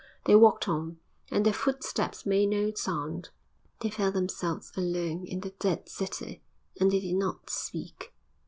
They walked on, and their footsteps made no sound. They felt themselves alone in the dead city, and they did not speak.